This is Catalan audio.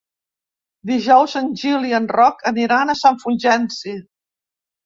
Dijous en Gil i en Roc aniran a Sant Fulgenci.